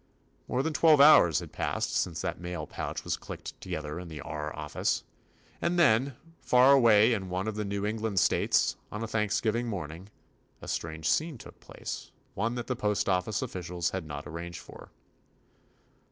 More than twelve hours had passed since that mail pouch was clicked to gether in the R office, and then, far away in one of the New England States, on Thanksgiving morning, a strange scene took place, one that the postofBce officials had not arranged for.